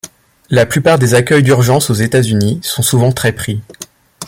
La plupart des accueils d'urgence aux États-Unis sont souvent très pris.